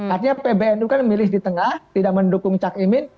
artinya pbnu kan milih di tengah tidak mendukung cakimin